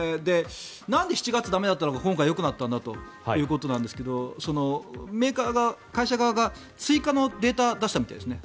なんで７月は駄目だったのが今回よくなったのかということですがメーカーが、会社側が追加のデータを出したみたいですね。